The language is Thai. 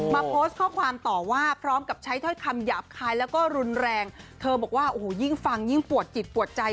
โพสต์ข้อความต่อว่าพร้อมกับใช้ถ้อยคำหยาบคายแล้วก็รุนแรงเธอบอกว่าโอ้โหยิ่งฟังยิ่งปวดจิตปวดใจ